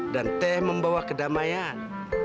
dan teh membawa kedamaian